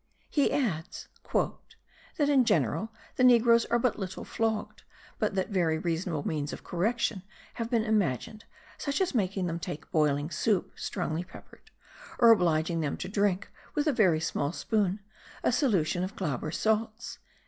He adds "that in general the negroes are but little flogged, but that very reasonable means of correction have been imagined, such as making them take boiling soup strongly peppered, or obliging them to drink, with a very small spoon, a solution of Glauber salts."